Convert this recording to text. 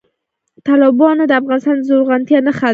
تالابونه د افغانستان د زرغونتیا نښه ده.